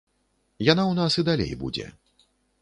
Яна ў нас і далей будзе.